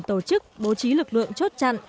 tổ chức bố trí lực lượng chốt chặn